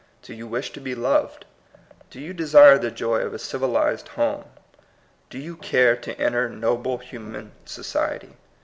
Do you wish to be loved? Do you desire the joy of a civilized home? Do you care to enter noble human society?